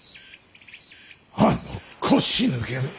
あの腰抜けめ。